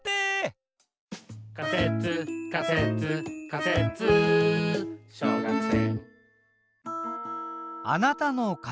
「仮説仮説仮説小学生」